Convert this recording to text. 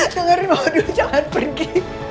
dengerin mama dulu jangan pergi